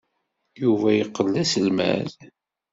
Yuba yeqqel d aselmad.